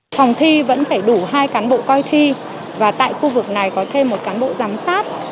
phòng thi vẫn phải đủ hai cán bộ coi thi và tại khu vực này có thêm một cán bộ giám sát